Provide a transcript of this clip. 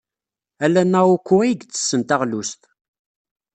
Ala Naoko ay ittessen taɣlust.